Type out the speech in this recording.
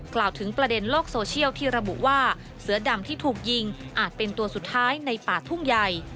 กล่าวถึงประเด็นโลกโซเชียลที่ระบุว่าเสือดำที่ถูกยิงอาจเป็นตัวสุดท้ายในป่าทุ่งใหญ่